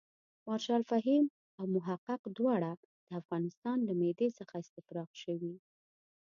مارشال فهیم او محقق دواړه د افغانستان له معدې څخه استفراق شوي.